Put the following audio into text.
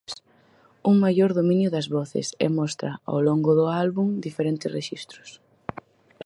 Un maior dominio das voces e mostra, ao longo do álbum, diferentes rexistros.